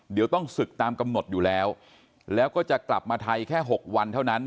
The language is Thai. เดี๋ยวต้องศึกตามกำหนดอยู่แล้วแล้วก็จะกลับมาไทยแค่๖วันเท่านั้น